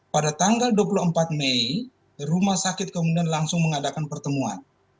pada tanggal dua puluh empat mei rumah sakit kemudian langsung mengadakan pertemuan